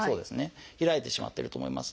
開いてしまってると思います。